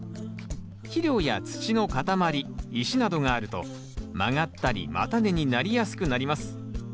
肥料や土の塊石などがあると曲がったり叉根になりやすくなります。